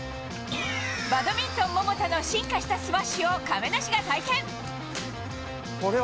バドミントン桃田の進化したスマッシュを亀梨が体験。